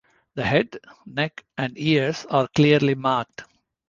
The head, neck and ears are clearly marked.